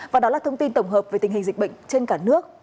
và đó là thông tin tổng hợp về tình hình dịch bệnh trên cả nước